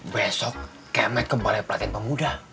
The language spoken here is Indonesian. besok kemek kembali pelatihan pemuda